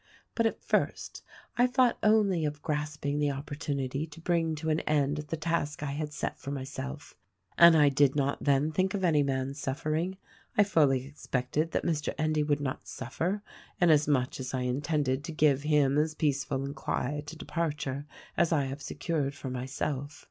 But at first, I thought only of grasping the opportunity to bring to an end the task I had set for myself; and I did not then think of any man's suffering. I fully expected that Mr. Endy would not suffer, inasmuch as I intended to give him as peaceful and quiet a departure as I have secured for myself.